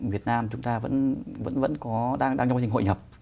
việt nam chúng ta vẫn vẫn có đang trong quá trình hội nhập